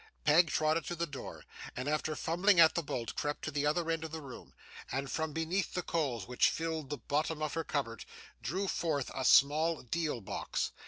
Peg trotted to the door, and after fumbling at the bolt, crept to the other end of the room, and from beneath the coals which filled the bottom of the cupboard, drew forth a small deal box.